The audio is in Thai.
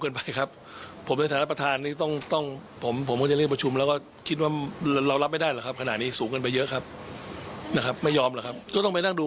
นะครับแต่รับประทาน